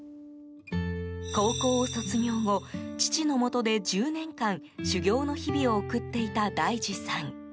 高校を卒業後父のもとで１０年間修行の日々を送っていた大二さん。